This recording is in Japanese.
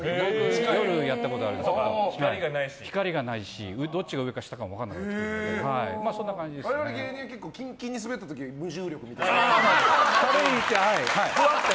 夜やったことあるんですけど光がないしどっちが上か下かも分からなくなる我々芸人はキンキンにスベった時は無重力みたいな。